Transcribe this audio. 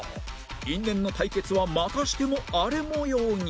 因縁の対決はまたしても荒れ模様に